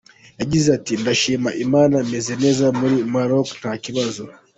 Yagize ati “Ndashima Imana meze neza muri Maroc nta kibazo.